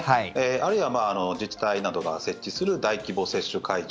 あるいは自治体などが設置する大規模接種会場。